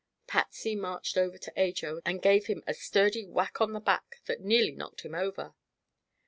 Patsy marched over to Ajo and gave him a sturdy whack upon the back that nearly knocked him over.